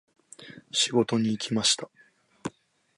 仕事に行きました。